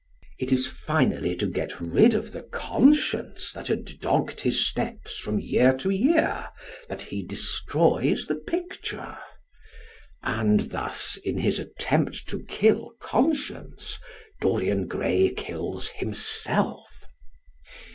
It is finally to get rid of the conscience that had dogged his steps from year to year that he destroys the picture; and thus in his attempt to kill conscience Dorian Gray kills himself.